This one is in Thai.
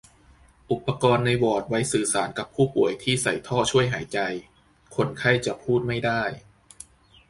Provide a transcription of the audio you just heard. อุปกรณ์ในวอร์ดไว้สื่อสารกับผู้ป่วยที่ใส่ท่อช่วยหายใจ คนไข้จะพูดไม่ได้